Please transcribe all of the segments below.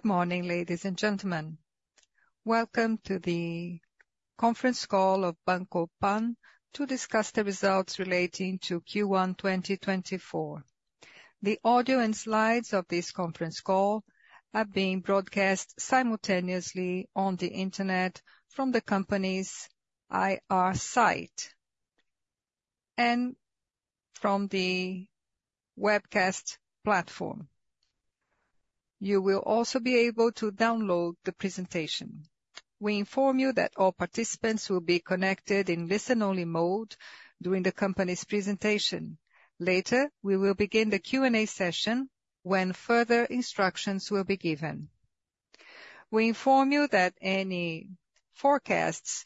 Good morning, ladies and gentlemen. Welcome to the conference call of Banco PAN to discuss the results relating to Q1 2024. The audio and slides of this conference call are being broadcast simultaneously on the internet from the company's IR site and from the webcast platform. You will also be able to download the presentation. We inform you that all participants will be connected in listen-only mode during the company's presentation. Later, we will begin the Q&A session when further instructions will be given. We inform you that any forecasts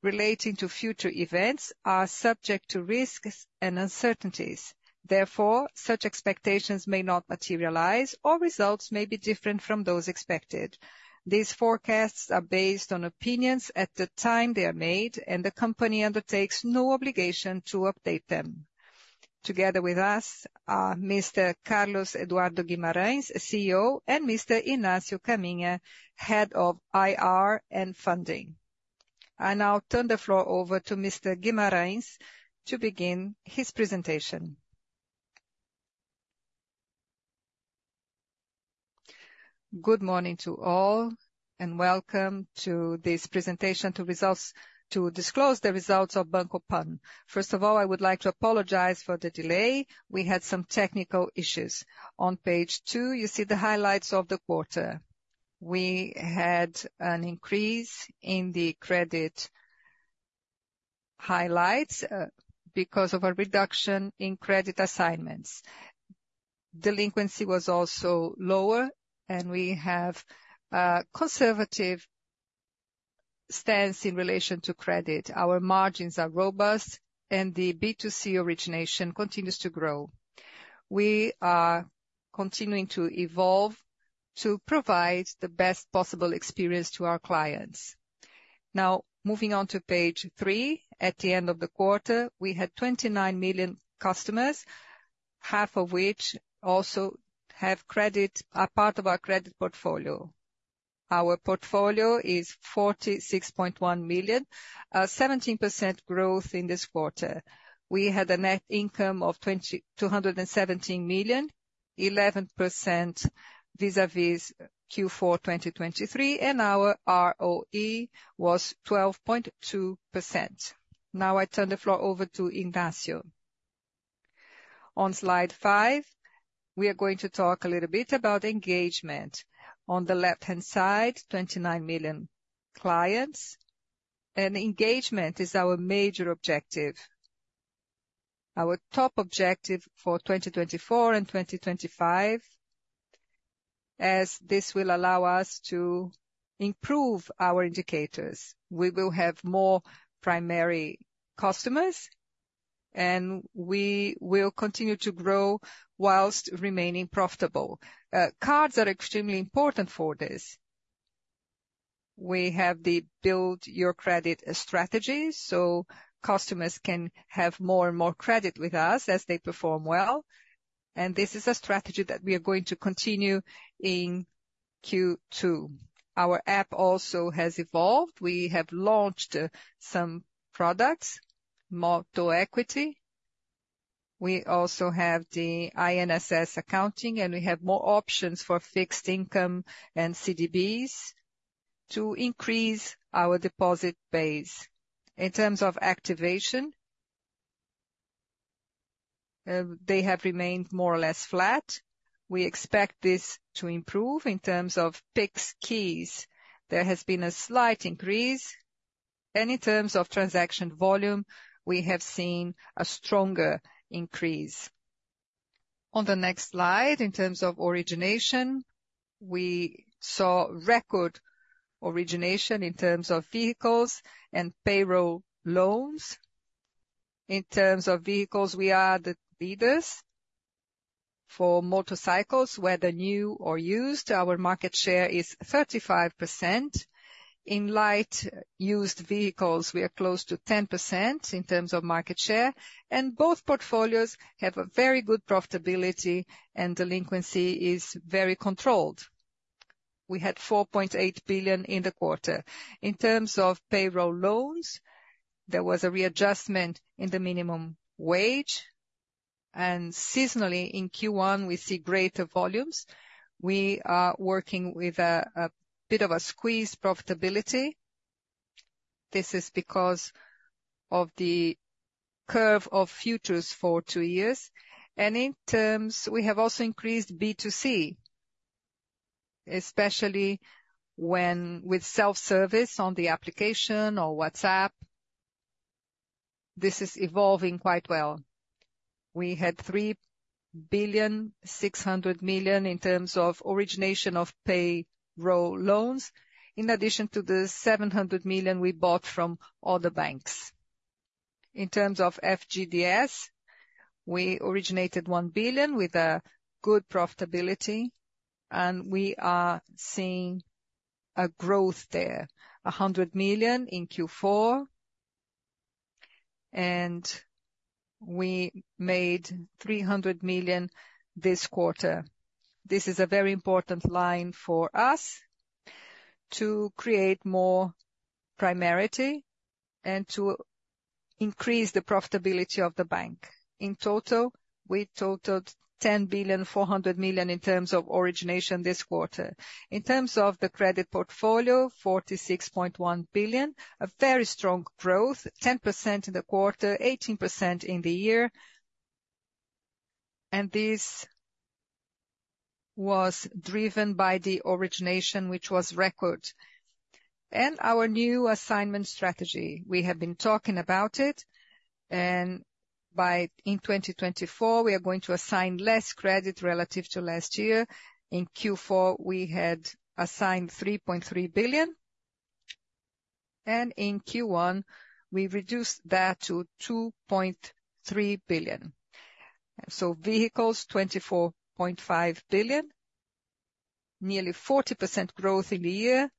relating to future events are subject to risks and uncertainties. Therefore, such expectations may not materialize, or results may be different from those expected. These forecasts are based on opinions at the time they are made, and the company undertakes no obligation to update them. Together with us are Mr. Carlos Eduardo Guimarães, CEO, and Mr. Inácio Caminha, Head of IR and Funding. I now turn the floor over to Mr. Guimarães to begin his presentation. Good morning to all, and welcome to this presentation to disclose the results of Banco PAN. First of all, I would like to apologize for the delay. We had some technical issues. On page 2, you see the highlights of the quarter. We had an increase in the credit highlights because of a reduction in credit assignments. Delinquency was also lower, and we have a conservative stance in relation to credit. Our margins are robust, and the B2C origination continues to grow. We are continuing to evolve to provide the best possible experience to our clients. Now, moving on to page 3, at the end of the quarter, we had 29 million customers, half of which also have part of our credit portfolio. Our portfolio is 46.1 billion, a 17% growth in this quarter. We had a net income of 217 million, 11% vis-à-vis Q4 2023, and our ROE was 12.2%. Now I turn the floor over to Inácio. On slide 5, we are going to talk a little bit about engagement. On the left-hand side, 29 million clients, and engagement is our major objective, our top objective for 2024 and 2025, as this will allow us to improve our indicators. We will have more primary customers, and we will continue to grow whilst remaining profitable. Cards are extremely important for this. We have the Build Your Credit strategy, so customers can have more and more credit with us as they perform well, and this is a strategy that we are going to continue in Q2. Our app also has evolved. We have launched some products, Moto Equity. We also have the INSS accounting, and we have more options for fixed income and CDBs to increase our deposit base. In terms of activation, they have remained more or less flat. We expect this to improve in terms of PIX keys. There has been a slight increase, and in terms of transaction volume, we have seen a stronger increase. On the next slide, in terms of origination, we saw record origination in terms of vehicles and payroll loans. In terms of vehicles, we are the leaders. For motorcycles, whether new or used, our market share is 35%. In light used vehicles, we are close to 10% in terms of market share, and both portfolios have a very good profitability, and delinquency is very controlled. We had 4.8 billion in the quarter. In terms of payroll loans, there was a readjustment in the minimum wage, and seasonally, in Q1, we see greater volumes. We are working with a bit of a squeeze profitability. This is because of the curve of futures for two years, and in terms, we have also increased B2C, especially with self-service on the application or WhatsApp. This is evolving quite well. We had 3.6 billion in terms of origination of payroll loans, in addition to the 700 million we bought from other banks. In terms of FGTS, we originated 1 billion with a good profitability, and we are seeing a growth there, 100 million in Q4, and we made 300 million this quarter. This is a very important line for us to create more primarity and to increase the profitability of the bank. In total, we totaled 10.4 billion in terms of origination this quarter. In terms of Credit Portfolio, 46.1 billion, a very strong growth, 10% in the quarter, 18% in the year, and this was driven by the origination, which was record. Our new assignment strategy, we have been talking about it, and in 2024, we are going to assign less credit relative to last year. In Q4, we had assigned 3.3 billion, and in Q1, we reduced that to 2.3 billion. Vehicles, 24.5 billion, nearly 40% growth in the year.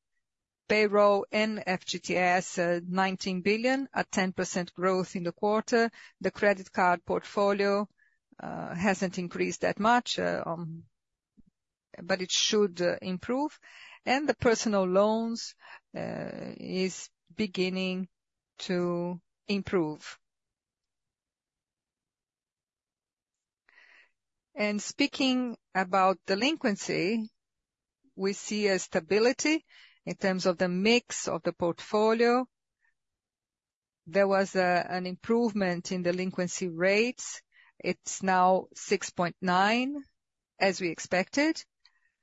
Payroll and FGTS, 19 billion, a 10% growth in the quarter. The credit card portfolio hasn't increased that much, but it should improve, and the personal loans are beginning to improve. Speaking about delinquency, we see a stability in terms of the mix of the portfolio. There was an improvement in delinquency rates. It's now 6.9, as we expected,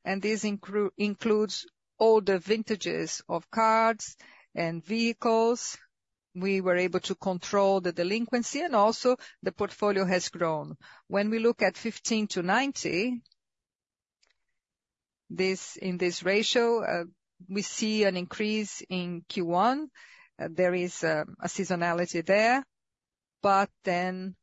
and this includes all the vintages of cards and vehicles. We were able to control the delinquency, and also the portfolio has grown. When we look at 15-90, in this ratio, we see an increase in Q1. There is a seasonality there, but then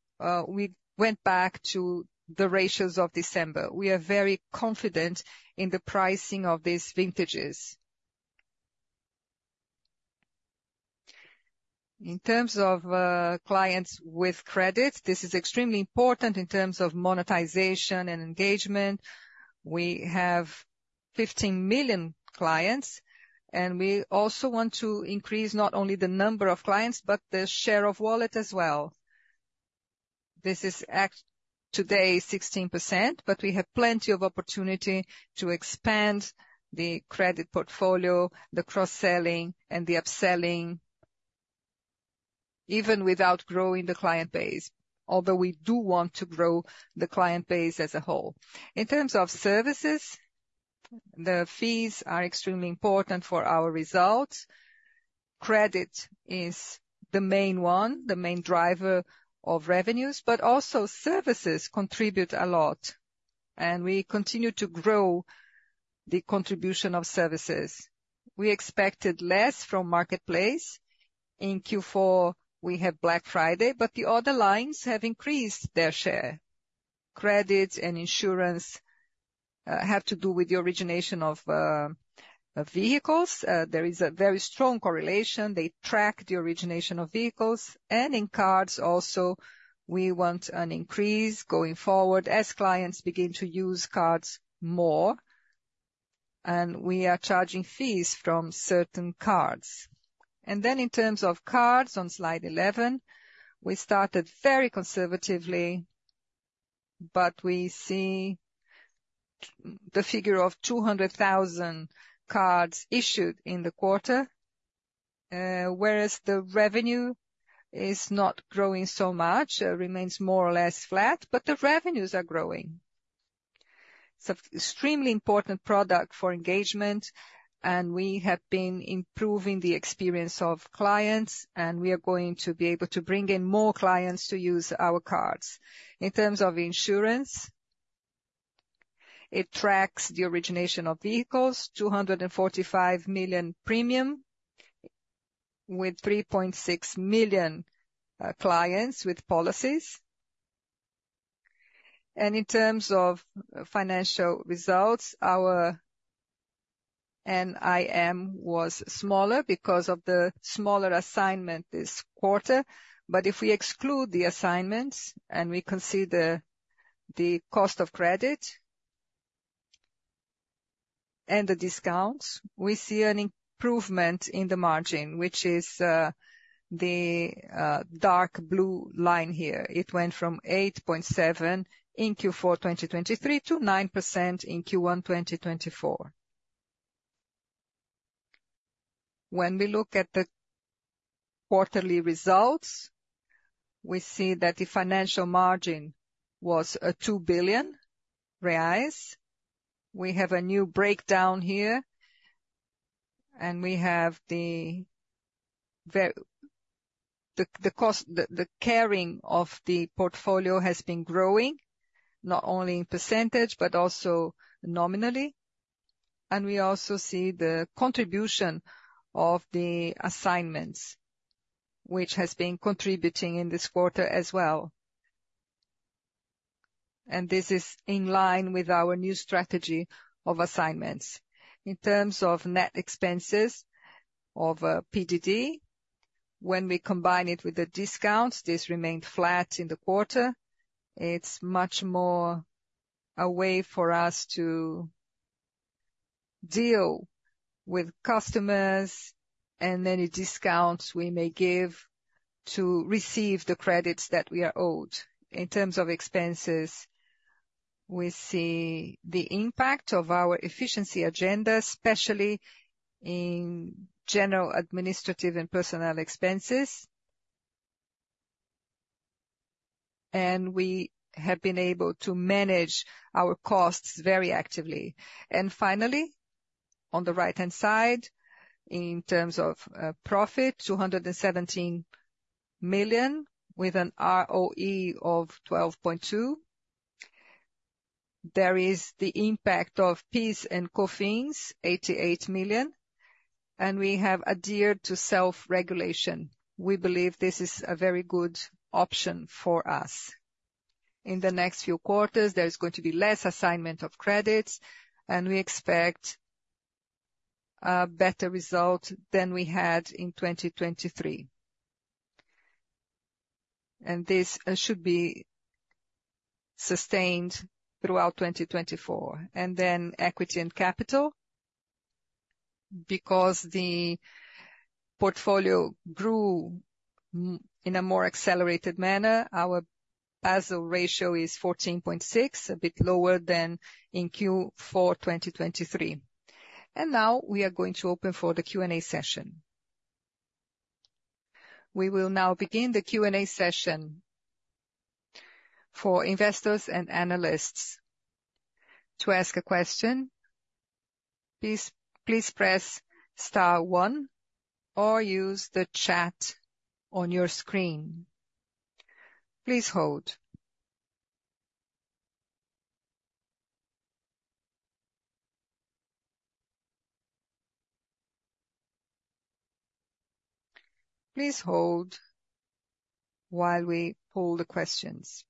we went back to the ratios of December. We are very confident in the pricing of these vintages. In terms of clients with credit, this is extremely important in terms of monetization and engagement. We have 15 million clients, and we also want to increase not only the number of clients, but the share of wallet as well. This is today 16%, but we have plenty of opportunity to expand Credit Portfolio, the cross-selling, and the upselling, even without growing the client base, although we do want to grow the client base as a whole. In terms of services, the fees are extremely important for our results. Credit is the main one, the main driver of revenues, but also services contribute a lot, and we continue to grow the contribution of services. We expected less from marketplace. In Q4, we have Black Friday, but the other lines have increased their share. Credit and insurance have to do with the origination of vehicles. There is a very strong correlation. They track the origination of vehicles, and in cards also, we want an increase going forward as clients begin to use cards more, and we are charging fees from certain cards. And then in terms of cards, on slide 11, we started very conservatively, but we see the figure of 200,000 cards issued in the quarter, whereas the revenue is not growing so much, remains more or less flat, but the revenues are growing. It's an extremely important product for engagement, and we have been improving the experience of clients, and we are going to be able to bring in more clients to use our cards. In terms of insurance, it tracks the origination of vehicles, 245 million premium, with 3.6 million clients with policies. In terms of financial results, our NIM was smaller because of the smaller assignment this quarter, but if we exclude the assignments and we consider the cost of credit and the discounts, we see an improvement in the margin, which is the dark blue line here. It went from 8.7% in Q4 2023 to 9% in Q1 2024. When we look at the quarterly results, we see that the financial margin was 2 billion reais. We have a new breakdown here, and we have the carrying of the portfolio has been growing, not only in percentage, but also nominally. We also see the contribution of the assignments, which has been contributing in this quarter as well. This is in line with our new strategy of assignments. In terms of net expenses of PDD, when we combine it with the discounts, this remained flat in the quarter. It's much more a way for us to deal with customers and any discounts we may give to receive the credits that we are owed. In terms of expenses, we see the impact of our efficiency agenda, especially in general administrative and personnel expenses. We have been able to manage our costs very actively. Finally, on the right-hand side, in terms of profit, 217 million with an ROE of 12.2%. There is the impact of PIS and COFINS, 88 million, and we have adhered to self-regulation. We believe this is a very good option for us. In the next few quarters, there is going to be less assignment of credits, and we expect a better result than we had in 2023. This should be sustained throughout 2024. Then equity and capital, because the portfolio grew in a more accelerated manner, our Basel ratio is 14.6, a bit lower than in Q4 2023. Now we are going to open for the Q&A session. We will now begin the Q&A session for investors and analysts to ask a question. Please press star one or use the chat on your screen. Please hold. Please hold while we pull the questions.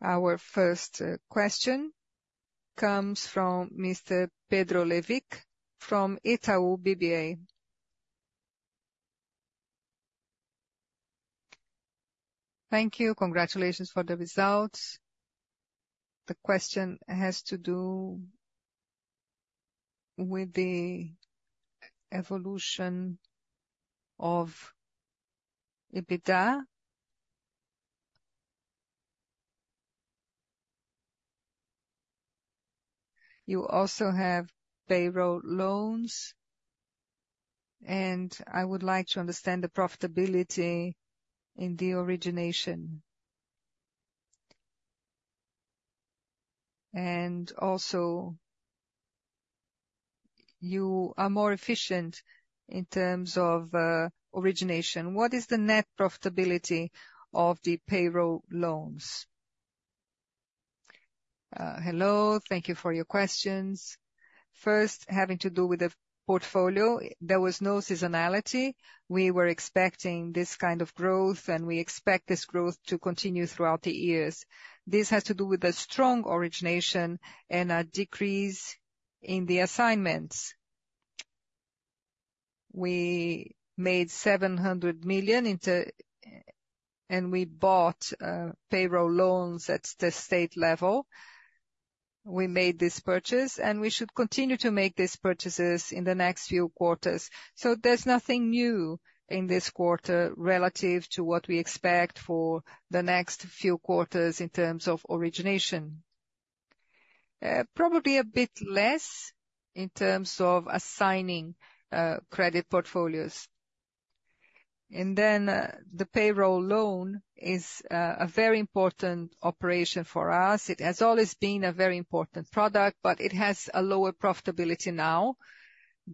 Our first question comes from Mr. Pedro Leduc from Itaú BBA. Thank you. Congratulations for the results. The question has to do with the evolution of EBITDA. You also have payroll loans, and I would like to understand the profitability in the origination. And also, you are more efficient in terms of origination. What is the net profitability of the payroll loans? Hello. Thank you for your questions. First, having to do with the portfolio, there was no seasonality. We were expecting this kind of growth, and we expect this growth to continue throughout the years. This has to do with a strong origination and a decrease in the assignments. We made 700 million, and we bought payroll loans at the state level. We made this purchase, and we should continue to make these purchases in the next few quarters. So there's nothing new in this quarter relative to what we expect for the next few quarters in terms of origination. Probably a bit less in terms of credit portfolios. And then the payroll loan is a very important operation for us. It has always been a very important product, but it has a lower profitability now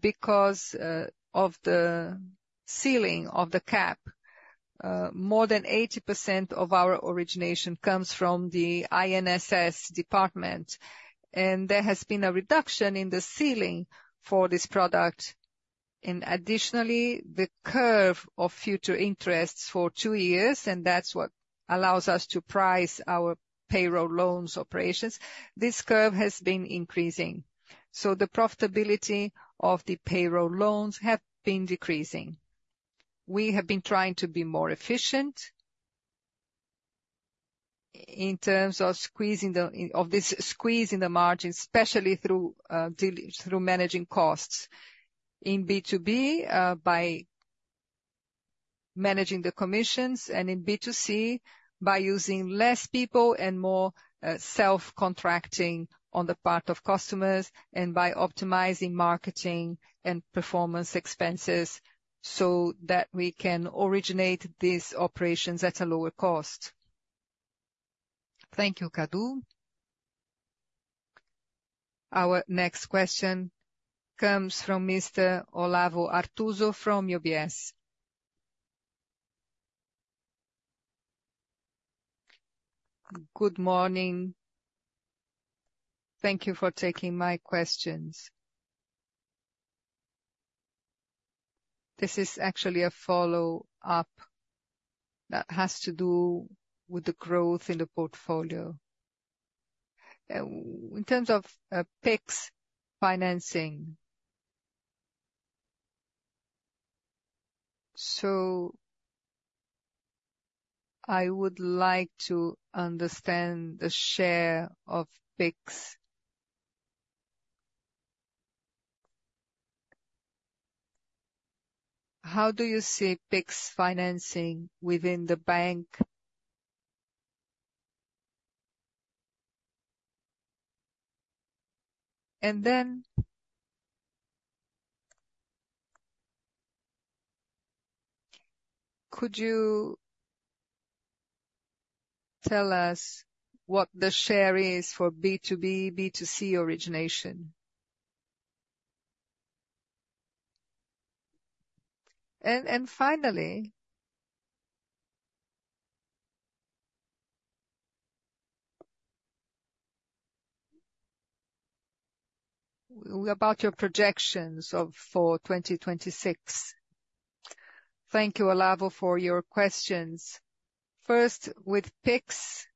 because of the ceiling of the cap. More than 80% of our origination comes from the INSS department, and there has been a reduction in the ceiling for this product. And additionally, the curve of future interests for two years, and that's what allows us to price our payroll loans operations, this curve has been increasing. So the profitability of the payroll loans has been decreasing. We have been trying to be more efficient in terms of squeezing the margin, especially through managing costs. In B2B, by managing the commissions, and in B2C, by using less people and more self-contracting on the part of customers, and by optimizing marketing and performance expenses so that we can originate these operations at a lower cost. Thank you, Cadu. Our next question comes from Mr. Olavo Arthuzo from UBS. Good morning. Thank you for taking my questions. This is actually a follow-up that has to do with the growth in the portfolio. In terms of PIX financing, so I would like to understand the share of PIX. How do you see PIX financing within the bank? And then could you tell us what the share is for B2B, B2C origination? And finally, about your projections for 2026. Thank you, Olavo, for your questions. First, with PIX,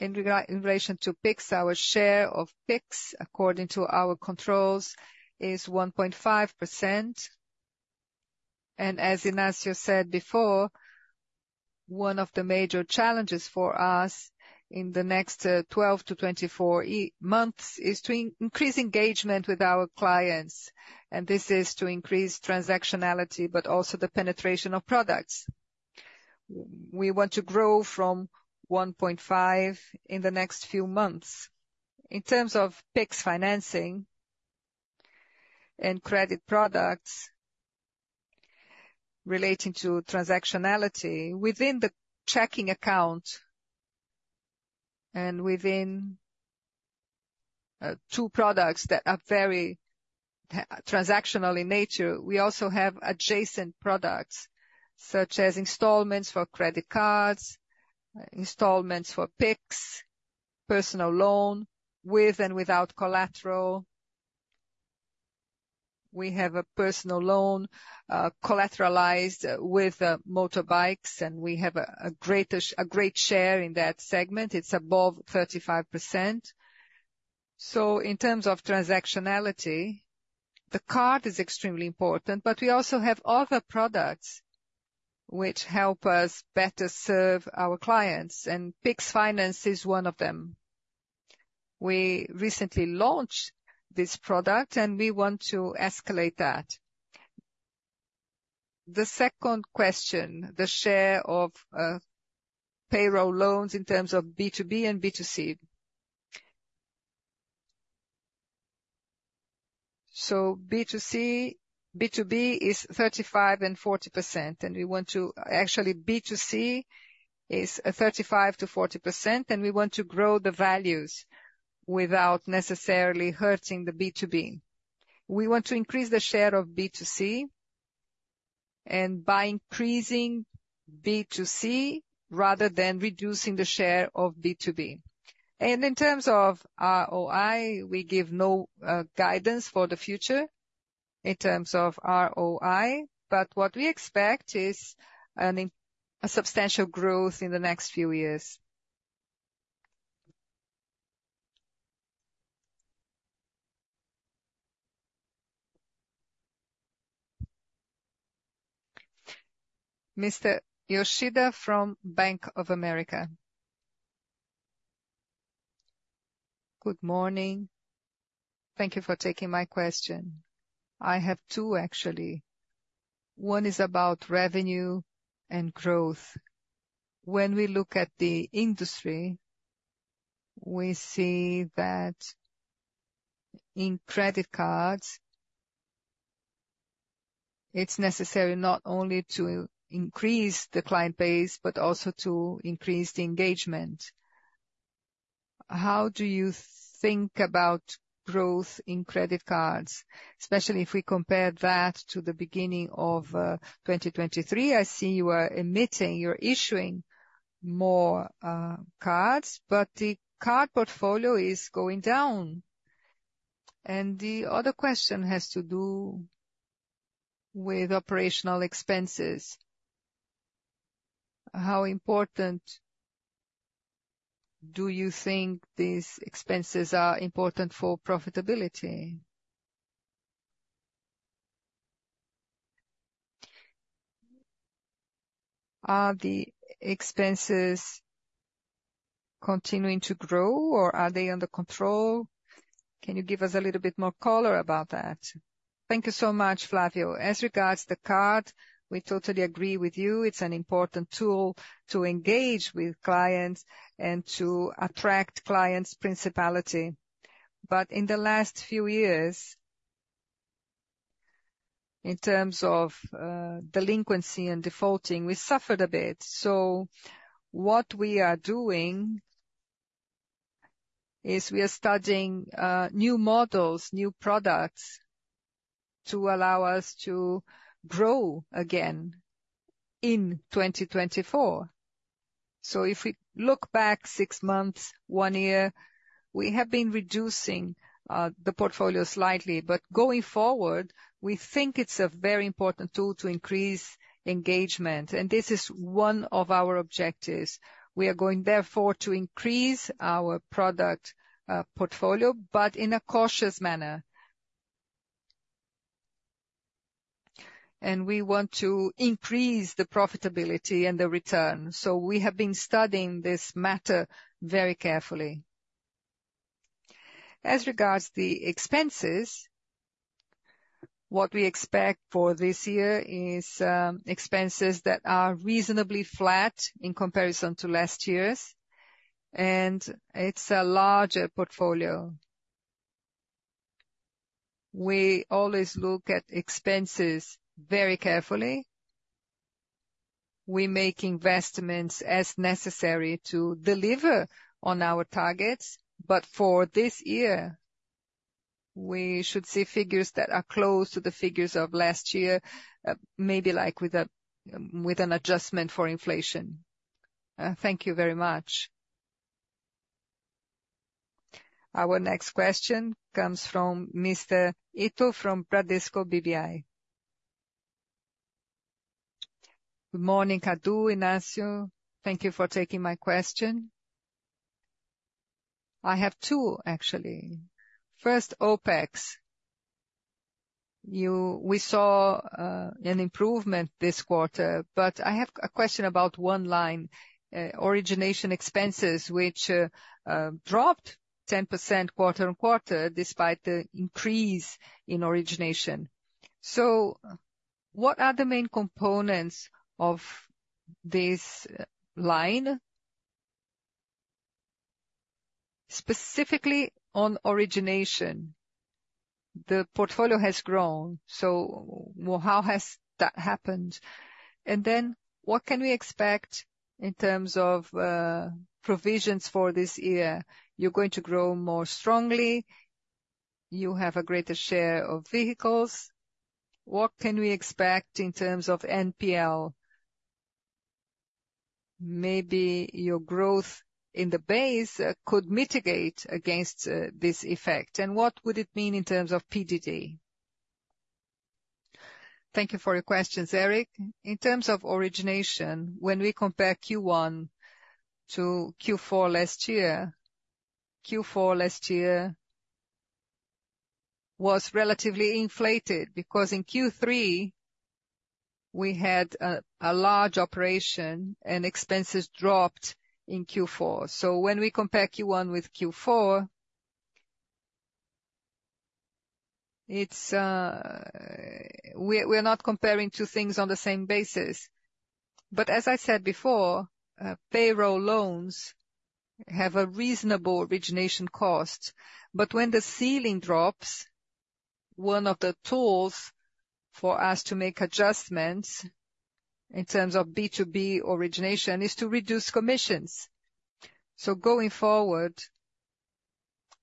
in relation to PIX, our share of PIX according to our controls is 1.5%. As Inácio said before, one of the major challenges for us in the next 12-24 months is to increase engagement with our clients. This is to increase transactionality, but also the penetration of products. We want to grow from 1.5% in the next few months. In terms of PIX financing and credit products relating to transactionality, within the checking account and within two products that are very transactional in nature, we also have adjacent products such as installments for credit cards, installments for PIX, personal loan with and without collateral. We have a personal loan collateralized with motorbikes, and we have a great share in that segment. It's above 35%. So in terms of transactionality, the card is extremely important, but we also have other products which help us better serve our clients, and PIX finance is one of them. We recently launched this product, and we want to escalate that. The second question, the share of payroll loans in terms of B2B and B2C. So B2B is 35%-40%, and we want to actually B2C is 35%-40%, and we want to grow the values without necessarily hurting the B2B. We want to increase the share of B2C and by increasing B2C rather than reducing the share of B2B. And in terms of ROI, we give no guidance for the future in terms of ROI, but what we expect is a substantial growth in the next few years. Mr. Yoshida from Bank of America. Good morning. Thank you for taking my question. I have two, actually. One is about revenue and growth. When we look at the industry, we see that in credit cards, it's necessary not only to increase the client base, but also to increase the engagement. How do you think about growth in credit cards, especially if we compare that to the beginning of 2023? I see you are issuing more cards, but the card portfolio is going down. And the other question has to do with operational expenses. How important do you think these expenses are important for profitability? Are the expenses continuing to grow, or are they under control? Can you give us a little bit more color about that? Thank you so much, Flavio. As regards the card, we totally agree with you. It's an important tool to engage with clients and to attract clients principally. But in the last few years, in terms of delinquency and defaulting, we suffered a bit. So what we are doing is we are studying new models, new products to allow us to grow again in 2024. So if we look back six months, one year, we have been reducing the portfolio slightly, but going forward, we think it's a very important tool to increase engagement, and this is one of our objectives. We are going, therefore, to increase our product portfolio, but in a cautious manner. And we want to increase the profitability and the return. So we have been studying this matter very carefully. As regards the expenses, what we expect for this year is expenses that are reasonably flat in comparison to last year's, and it's a larger portfolio. We always look at expenses very carefully. We make investments as necessary to deliver on our targets, but for this year, we should see figures that are close to the figures of last year, maybe like with an adjustment for inflation. Thank you very much. Our next question comes from Mr. Ito from Bradesco BBI. Good morning, Cadu, Inácio. Thank you for taking my question. I have two, actually. First, OpEx. We saw an improvement this quarter, but I have a question about one line, origination expenses, which dropped 10% quarter-over-quarter despite the increase in origination. So what are the main components of this line, specifically on origination? The portfolio has grown, so how has that happened? And then what can we expect in terms of provisions for this year? You're going to grow more strongly. You have a greater share of vehicles. What can we expect in terms of NPL? Maybe your growth in the base could mitigate against this effect. What would it mean in terms of PDD? Thank you for your questions, Eric. In terms of origination, when we compare Q1 to Q4 last year, Q4 last year was relatively inflated because in Q3 we had a large operation and expenses dropped in Q4. When we compare Q1 with Q4, we're not comparing two things on the same basis. As I said before, payroll loans have a reasonable origination cost, but when the ceiling drops, one of the tools for us to make adjustments in terms of B2C origination is to reduce commissions. Going forward,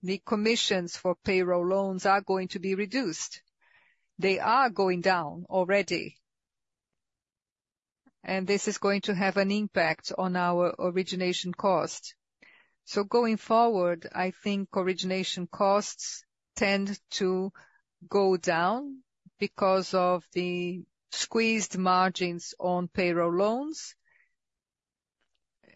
the commissions for payroll loans are going to be reduced. They are going down already, and this is going to have an impact on our origination cost. So going forward, I think origination costs tend to go down because of the squeezed margins on payroll loans,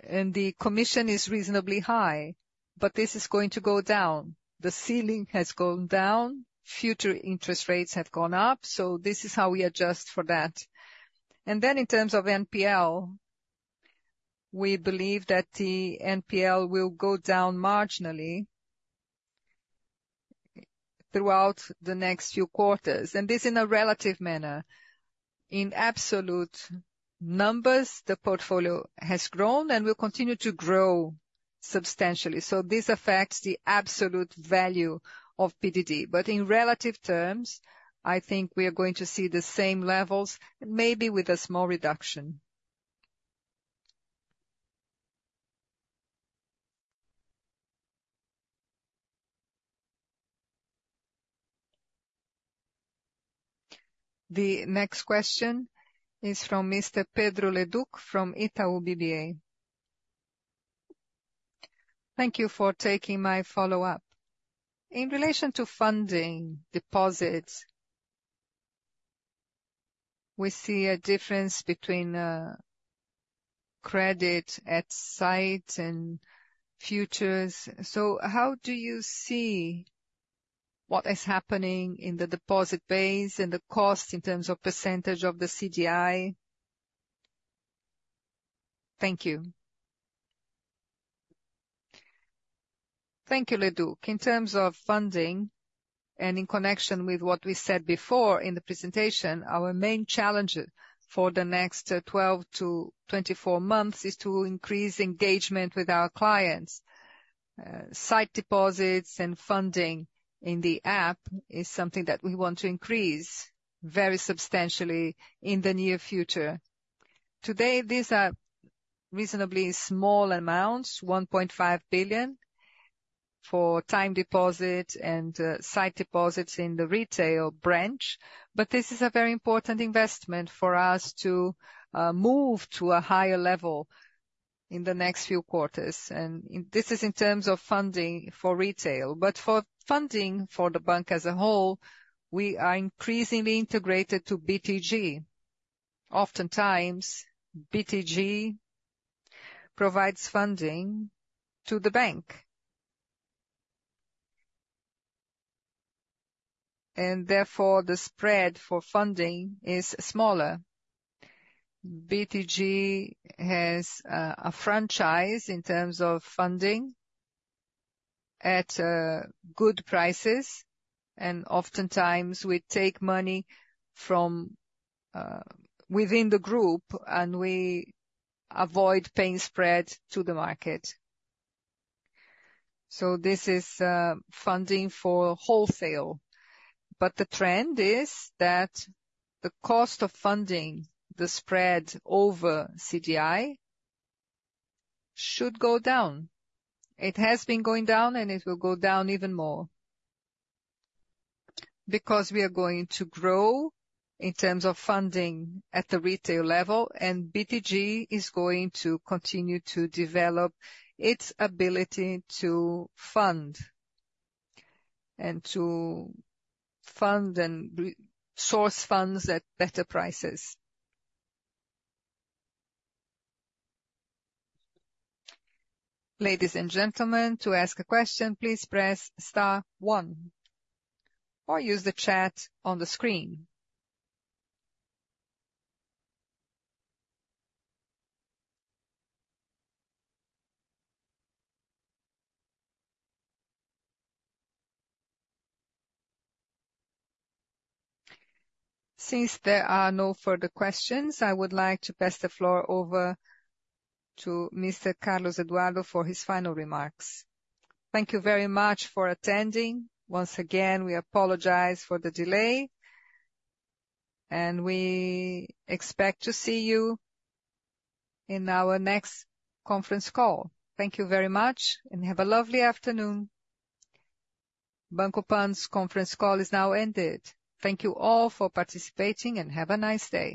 and the commission is reasonably high, but this is going to go down. The ceiling has gone down, future interest rates have gone up, so this is how we adjust for that. And then in terms of NPL, we believe that the NPL will go down marginally throughout the next few quarters, and this is in a relative manner. In absolute numbers, the portfolio has grown and will continue to grow substantially, so this affects the absolute value of PDD. But in relative terms, I think we are going to see the same levels, maybe with a small reduction. The next question is from Mr. Pedro Leduc from Itaú BBA. Thank you for taking my follow-up. In relation to funding, deposits, we see a difference between credit at sight and futures. So how do you see what is happening in the deposit base and the cost in terms of percentage of the CDI? Thank you. Thank you, Leduc. In terms of funding and in connection with what we said before in the presentation, our main challenge for the next 12-24 months is to increase engagement with our clients. Sight deposits and funding in the app is something that we want to increase very substantially in the near future. Today, these are reasonably small amounts, 1.5 billion for time deposit and sight deposits in the retail branch, but this is a very important investment for us to move to a higher level in the next few quarters. And this is in terms of funding for retail, but for funding for the bank as a whole, we are increasingly integrated to BTG. Oftentimes, BTG provides funding to the bank, and therefore, the spread for funding is smaller. BTG has a franchise in terms of funding at good prices, and oftentimes, we take money from within the group and we avoid paying spread to the market. So this is funding for wholesale, but the trend is that the cost of funding, the spread over CDI, should go down. It has been going down, and it will go down even more because we are going to grow in terms of funding at the retail level, and BTG is going to continue to develop its ability to fund and to fund and source funds at better prices. Ladies and gentlemen, to ask a question, please press star one or use the chat on the screen. Since there are no further questions, I would like to pass the floor over to Mr. Carlos Eduardo for his final remarks. Thank you very much for attending. Once again, we apologize for the delay, and we expect to see you in our next conference call. Thank you very much, and have a lovely afternoon. Banco PAN's conference call is now ended. Thank you all for participating, and have a nice day.